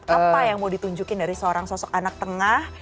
apa yang mau ditunjukin dari seorang sosok anak tengah